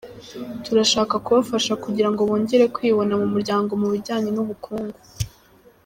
Turashaka kubafasha kugira ngo bongere kwibona mu muryango mu bijyanye n’ubukungu.